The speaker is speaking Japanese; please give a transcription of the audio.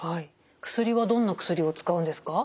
薬はどんな薬を使うんですか？